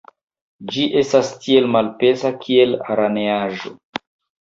Ĝi estas tiel malpeza, kiel araneaĵo!